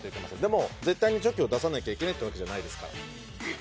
でも、絶対にチョキを出さなきゃいけないってわけじゃないですから。